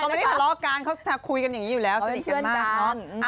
เขาไม่ได้ทะเลาะกันเขาคุยกันอย่างนี้อยู่แล้วสนิทกัน